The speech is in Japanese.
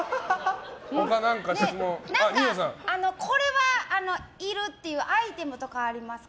これはいるっていうアイテムとかありますか？